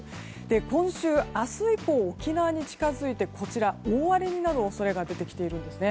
今週、明日以降沖縄に近づいて大荒れになる恐れが出てきているんですね。